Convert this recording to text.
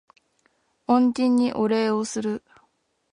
恩人にお礼をする